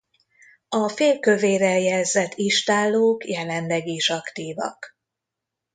A félkövérrel jelzett istállók jelenleg is aktívak.